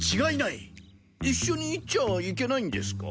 いっしょに行っちゃいけないんですか？